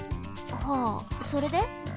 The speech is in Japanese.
はあそれで？